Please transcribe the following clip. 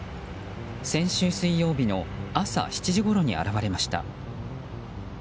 先週水曜日の朝７時ごろに現れました。